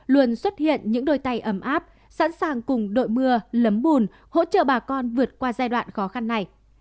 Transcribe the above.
luôn xuất hiện những đôi tay ấm áp sẵn sàng cùng đội mưa lấm bùn hỗ trợ bà con vượt qua giai đoạn khó khăn này